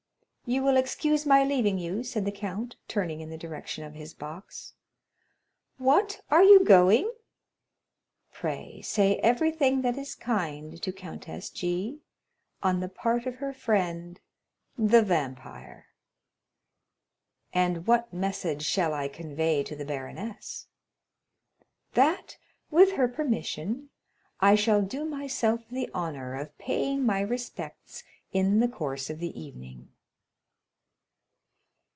"You will excuse my leaving you," said the count, turning in the direction of his box. "What? Are you going?" "Pray, say everything that is kind to Countess G—— on the part of her friend the vampire." "And what message shall I convey to the baroness!" "That, with her permission, I shall do myself the honor of paying my respects in the course of the evening."